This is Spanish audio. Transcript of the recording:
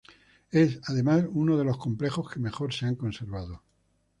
Es, además, uno de los complejos que mejor se han conservado.